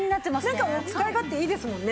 なんか使い勝手いいですもんね。